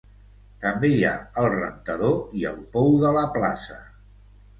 També hi ha el Rentador i el Pou de la Plaça.